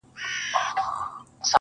سرکي کمال